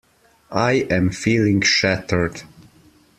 I am feeling shattered.